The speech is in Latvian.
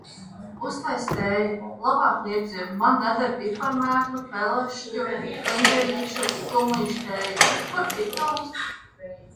Uztaisi tēju, labāk liepziedu. Man neder piparmētru, pelašķu, kliņģerīšu, kumelīšu tējas. Kur citrons?